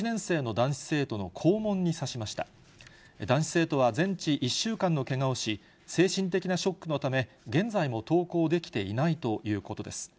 男子生徒は全治１週間のけがをし、精神的なショックのため、現在も登校できていないということです。